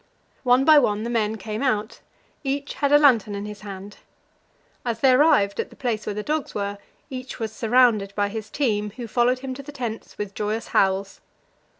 One by one the men came out; each had a lantern in his hand. As they arrived at the place where the dogs were, each was surrounded by his team, who followed him to the tents with joyous howls.